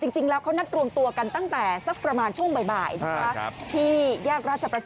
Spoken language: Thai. จริงแล้วเขานัดรวมตัวกันตั้งแต่สักประมาณช่วงบ่ายที่แยกราชประสงค์